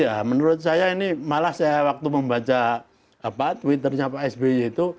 ya menurut saya ini malah saya waktu membaca twitternya pak sby itu